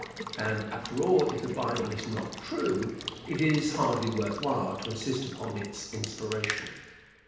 And, after all, if the Bible is not true, it is hardly worth while to insist upon its inspiration.